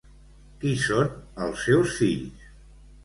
Qui són els seus fills?